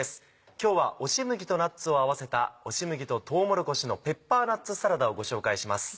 今日は押し麦とナッツを合わせた「押し麦ととうもろこしのペッパーナッツサラダ」をご紹介します。